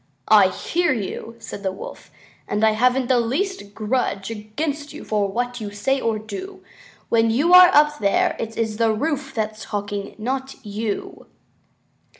"I hear you," said the Wolf, "and I haven't the least grudge against you for what you say or do. When you are up there it is the roof that's talking, not you."